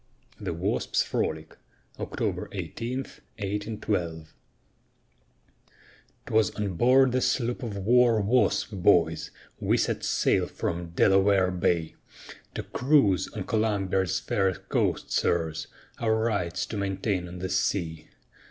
THE WASP'S FROLIC [October 18, 1812] 'Twas on board the sloop of war Wasp, boys, We set sail from Delaware Bay, To cruise on Columbia's fair coast, sirs, Our rights to maintain on the sea.